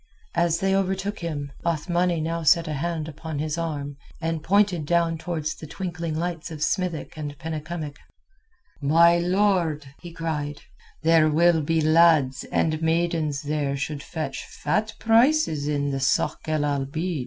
As they overtook him, Othmani set now a hand upon his arm, and pointed down towards the twinkling lights of Smithick and Penycumwick. "My lord," he cried, "there will be lads and maidens there should fetch fat prices in the sôk el Abeed."